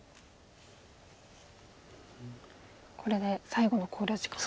これで最後の考慮時間と。